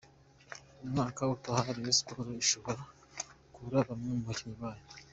umwaka utaha Rayon Sports ishobora kubura bamwe mu bakinnyi bayo.